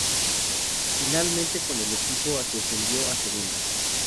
Finalmente con el equipo descendido a Segunda.